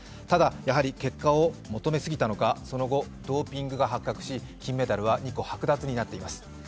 ただ、やはり結果を求めすぎたのかその後、ドーピングが発覚し、金メダルは２個、はく奪になっています。